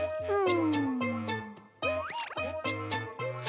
うん？